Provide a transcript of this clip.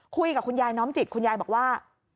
คุยกับคุณยายน้อมจิตคุณยายบอกว่า